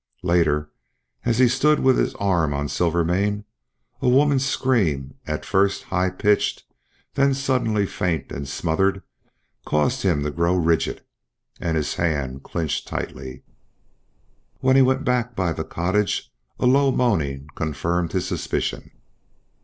Later as he stood with his arm on Silvermane, a woman's scream, at first high pitched, then suddenly faint and smothered, caused him to grow rigid, and his hand clinched tight. When he went back by the cottage a low moaning confirmed his suspicion.